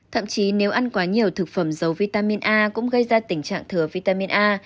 thậm chí nếu ăn quá nhiều thực phẩm dầu vitamin a cũng gây ra tình trạng thừa vitamin a